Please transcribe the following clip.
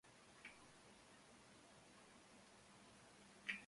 Los Sd.Kfz.